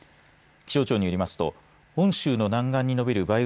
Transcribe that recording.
気象庁によりますと本州の南岸にのびる梅雨